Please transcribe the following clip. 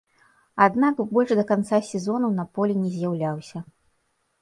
Аднак, больш да канца сезону на полі не з'яўляўся.